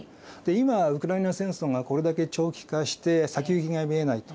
今ウクライナ戦争がこれだけ長期化して先行きが見えないと。